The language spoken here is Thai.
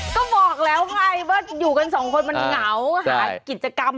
ก็บอกแล้วไงว่าอยู่กันสองคนมันเหงา